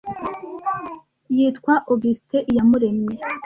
yitwa augustin iyamuremye